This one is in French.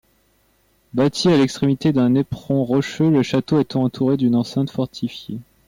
Bâti à l'extrémité d'un éperon rocheux, le château est entouré d'une enceinte fortifiée.